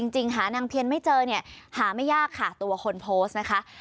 หานางเพียนไม่เจอเนี่ยหาไม่ยากค่ะตัวคนโพสต์นะคะ